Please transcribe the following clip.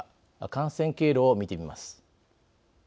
感染経路を見てみます。